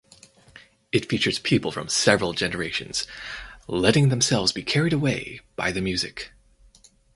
It features people from several generations "letting themselves be carried away by the music".